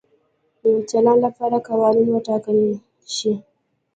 د چلند لپاره قوانین وټاکل شي.